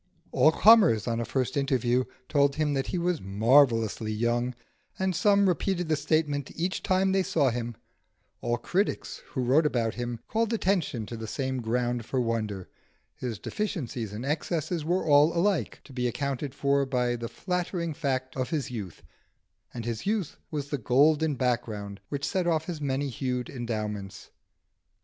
All comers, on a first interview, told him that he was marvellously young, and some repeated the statement each time they saw him; all critics who wrote about him called attention to the same ground for wonder: his deficiencies and excesses were alike to be accounted for by the flattering fact of his youth, and his youth was the golden background which set off his many hued endowments.